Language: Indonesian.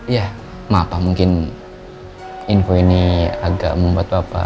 ya maaf pak mungkin info ini agak membuat bapak